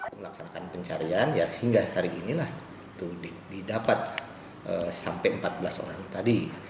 untuk melaksanakan pencarian ya sehingga hari inilah didapat sampai empat belas orang tadi